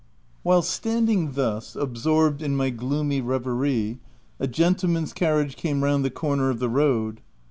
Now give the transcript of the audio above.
While standing thus, absorbed in my gloomy reverie, a gentleman's carriage came round the corner of the road.